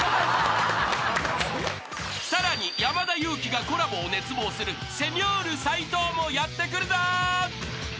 ［さらに山田裕貴がコラボを熱望するセニョール斎藤もやって来るぞ］